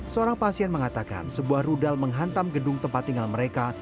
seorang pasien mengatakan sebuah rudal menghantam gedung tempat tinggal mereka